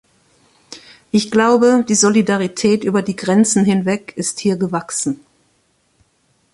Ich glaube, die Solidarität über die Grenzen hinweg ist hier gewachsen.